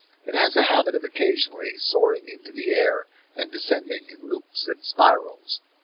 It has a habit of occasionally soaring into the air and descending in loops and spirals.